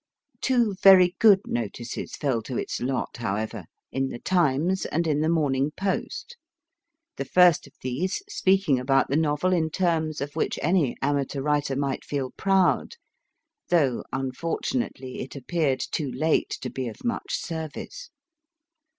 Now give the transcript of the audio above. Two very good notices fell to its lot, how ever, in the Times and in the Morning Post, the first of these speaking about the novel in terms of which any amateur H. RIDER HAGGARD 145 writer might feel proud, though, unfortunately, it appeared too late to be of much service.